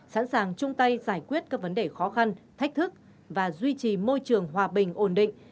sẵn sàng chung tay giải quyết các vấn đề khó khăn thách thức và duy trì môi trường hòa bình ổn định